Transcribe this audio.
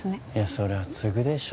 そりゃ継ぐでしょ